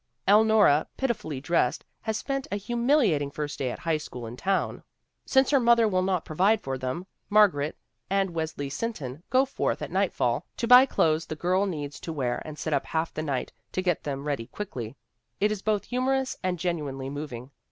Elnora, pitifully dressed, has spent a humiliating first day at high school in town. Since her mother will not provide them, Margaret and Wesley Sinton go forth at nightfall to xce THE WOMEN WHO MAKE OUR NOVELS buy the clothes the girl needs to wear and sit up half the night to get them ready quickly. It is both hu morous and genuinely moving.